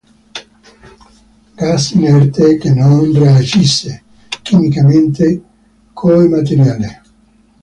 Gas inerte che non reagisce chimicamente col materiale.